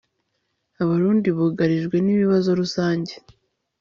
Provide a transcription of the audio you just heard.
abarundi bugarijwe n'ibibazo rusange